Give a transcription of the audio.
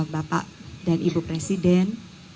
bapak dan ibu presiden